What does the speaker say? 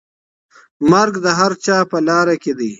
مرګ د هر چا په لاره کي دی.